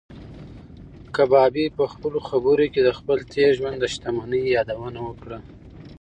کبابي په خپلو خبرو کې د خپل تېر ژوند د شتمنۍ یادونه وکړه.